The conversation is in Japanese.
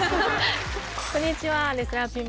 こんにちは。